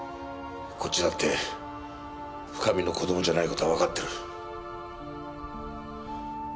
こっちだって深見の子供じゃない事はわかってる。